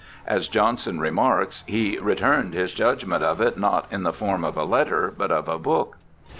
As Johnson remarks, he 'returned his judgement of it not in the form of a letter but of a book